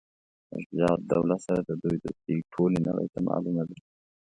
له شجاع الدوله سره د دوی دوستي ټولي نړۍ ته معلومه ده.